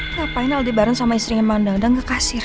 ngapain aldebaran sama istrinya mang dadang gak kasir